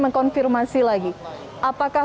mengkonfirmasi lagi apakah